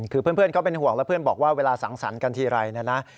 คือเพื่อนก็เป็นห่วงแล้วเพื่อนบอกว่าเวลาสังสรรค์กันทีไรนะนะ